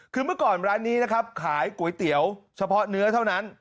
คือเมื่อก่อนร้านนี้นะครับขายก๋วยเตี๋ยวเฉพาะเนื้อเท่านั้น